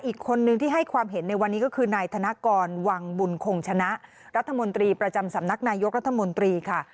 อีกคนนึงที่ให้ความเห็นในวันนี้ก็คือนายธนกรวังบุญคงชนะรัฐมนตรีประจำสำนักนายกรัฐมนตรีค่ะ